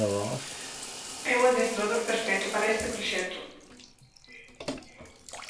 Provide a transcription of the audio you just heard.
É o adestrador perfecto para este proxecto.